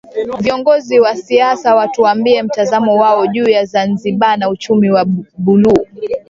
Viongozi wa siasa watuambie Mtazamo wao juu ya Zanzibar na uchumi wa buluu